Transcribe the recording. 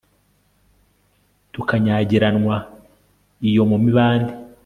tukanyagiranwa iyo mumibande